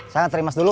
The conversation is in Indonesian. saya terima dulu